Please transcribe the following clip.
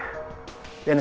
dan saya juga